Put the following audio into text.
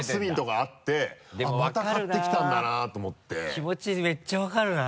気持ちめっちゃ分かるな。